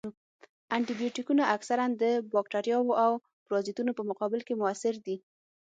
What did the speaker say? انټي بیوټیکونه اکثراً د باکتریاوو او پرازیتونو په مقابل کې موثر دي.